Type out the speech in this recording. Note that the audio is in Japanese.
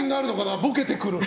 ボケてくる。